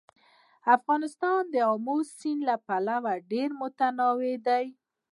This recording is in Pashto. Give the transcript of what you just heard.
افغانستان د آمو سیند له پلوه ډېر متنوع دی.